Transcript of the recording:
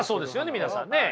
皆さんね。